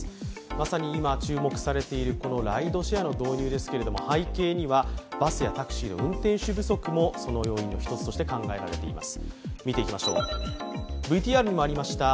まさに今、注目されているこのライドシェアの導入ですけれども背景にはバスやタクシーの運転手不足もその要因の１つとして考えられています。